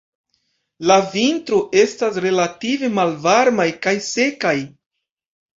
La vintroj estas relative malvarmaj kaj sekaj.